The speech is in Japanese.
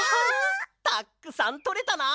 たくさんとれたな！